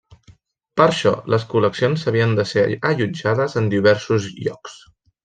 Per això, les col·leccions havien de ser allotjades en diversos llocs.